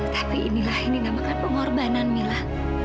tapi inilah yang dinamakan pengorbanan mila